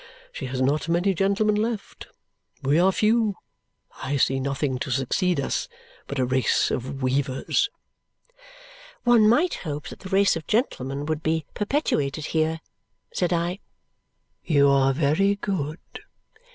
She has not many gentlemen left. We are few. I see nothing to succeed us but a race of weavers." "One might hope that the race of gentlemen would be perpetuated here," said I. "You are very good."